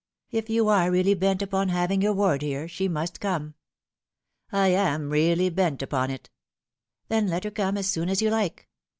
" If you are really bent upon having your ward here, she must come." " I am really bent upon it." " Then let her come as soon as you like."